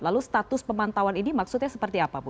lalu status pemantauan ini maksudnya seperti apa bu